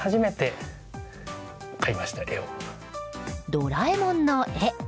ドラえもんの絵。